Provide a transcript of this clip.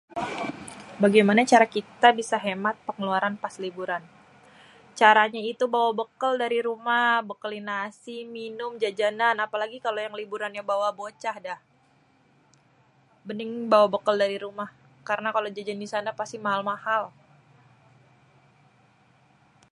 """Bagaimana cara kita bisa hemat pengeluaran pas liburan?"". Caranya itu bawa bekel dari rumah bekelin nasi, minum, jajanan. Apalagi kalo yang liburannya bawa bocah dah. Mending bawa bekel dari rumah, karena kalo jajan di sana pasti mahal-mahal."